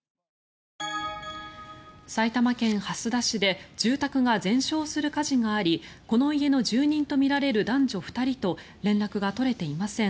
埼玉県蓮田市で住宅が全焼する火事がありこの家の住人とみられる男女２人と連絡が取れていません。